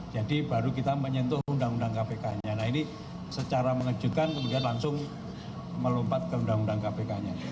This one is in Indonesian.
jadi baru kita menyentuh undang undang kpknya nah ini secara mengejutkan kemudian langsung melompat ke undang undang kpknya